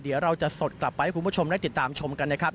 เดี๋ยวเราจะสดกลับไปให้คุณผู้ชมได้ติดตามชมกันนะครับ